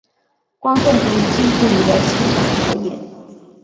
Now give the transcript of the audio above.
观众可以近距离地欣赏表演。